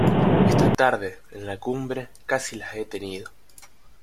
Esta tarde, en la cumbre, casi las he tenido.